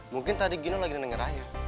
mungkin tadi gino lagi denger aja